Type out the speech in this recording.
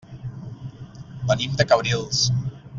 Venim de Cabrils.